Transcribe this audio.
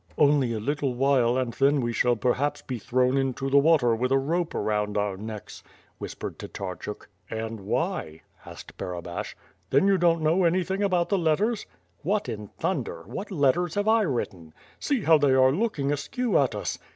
"Only a little while and then we shall perhaps be thrown into the water with a rope around our necks," whispered Tatarchuk. "And why?" asked Barabash. "Then you don't know anything about the letters?" "What in thunder! What letters have 1 written?" "See, how they are looking askew at us?"